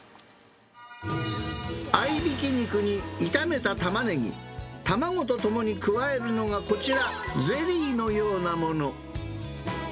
合いびき肉に炒めたタマネギ、卵とともに加えるのが、こちら、ゼリーのようなもの。